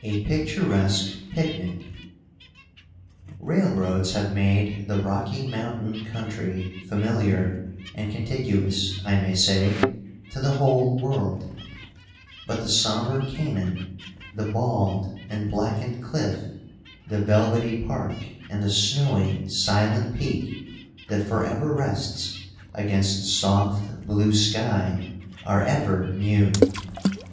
A Picturesque Picnic. Railroads have made the Rocky Mountain country familiar and contiguous, I may say, to the whole world; but the somber canon, the bald and blackened cliff, the velvety park and the snowy, silent peak that forever rests against the soft, blue sky, are ever new.